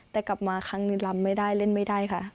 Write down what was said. แต่กลับมาครั้งนึงลำไม่ได้เล่นไม่ได้ค่ะ